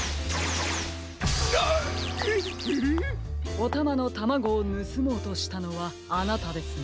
おたまのタマゴをぬすもうとしたのはあなたですね。